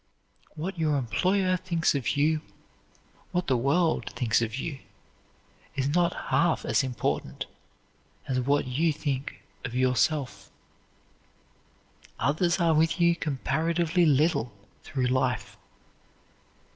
What your employer thinks of you, what the world thinks of you, is not half as important as what you think of yourself. Others are with you comparatively little through life.